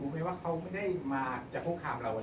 ไม่ว่าเขาไม่ได้มาจากคุกคามเราอะไร